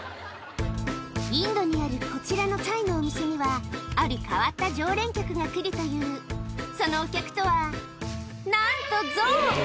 インドにあるこちらのチャイのお店にはある変わった常連客が来るというそのお客とはなんとゾウ！